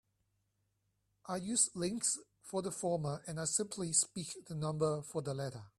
I use "links" for the former and I simply speak the number for the latter.